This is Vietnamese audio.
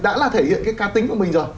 đã là thể hiện cái cá tính của mình rồi